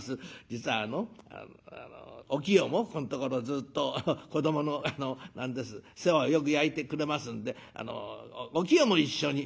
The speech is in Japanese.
実はあのお清もここんところずっと子どもの何です世話をよく焼いてくれますんであのお清も一緒に」。